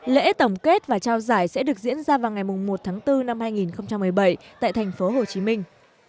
lễ tổng kết và trao giải sẽ được diễn ra vào ngày một tháng bốn năm hai nghìn một mươi bảy tại thành phố hồ chí minh